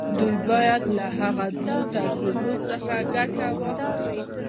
دوی بايد له هغو دوو تجربو څخه ګټه واخلي.